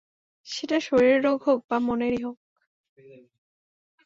সেটা শরীরের রোগ হোক বা মনেরই হোক।